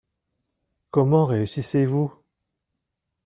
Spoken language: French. Comment réussissez-vous ?